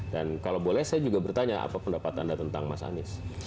dan kalau boleh saya juga bertanya apa pendapat anda tentang mas anies